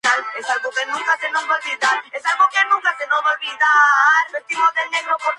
Actualmente, en vehículo, se puede llegar antes de las cinco horas de viaje.